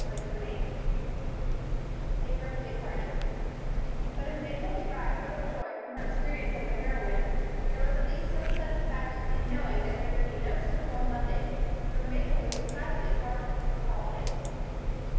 CHAPTER XIV A Birthday Party BUT if Mabel derived little joy from her experience as a heroine, there was at least some satisfaction in knowing that there could be no school on Monday, for Mabel was decidedly partial toward holidays.